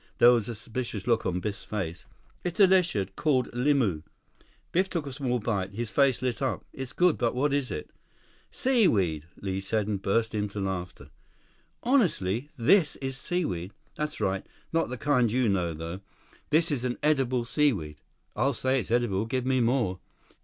There was a suspicious look on Biff's face. "It's delicious. Called limu." Biff took a small bite. His face lit up. "It's good. But what is it?" 60 "Seaweed," Li said and burst out into laughter. "Honestly. This is seaweed?" "That's right. Not the kind you know, though. This is an edible seaweed." "I'll say it's edible. Give me more."